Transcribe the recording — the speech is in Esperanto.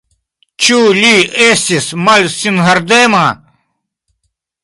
Ĉu li estis malsingardema?